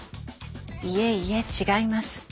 いえいえ違います。